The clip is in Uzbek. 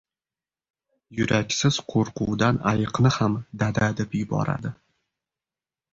• Yuraksiz qo‘rquvdan ayiqni ham “dada” deb yuboradi.